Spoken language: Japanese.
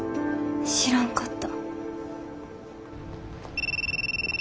知らんかった。